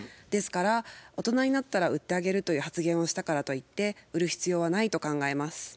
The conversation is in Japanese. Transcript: ですから大人になったら売ってあげるという発言をしたからといって売る必要はないと考えます。